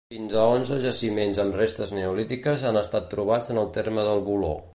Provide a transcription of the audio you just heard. Fins a onze jaciments amb restes neolítiques han estat trobats en el terme del Voló.